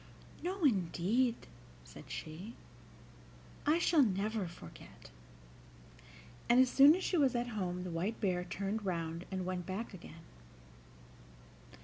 "No, indeed," said she, "I shall never forget;" and as soon as she was at home the White Bear turned round and went back again.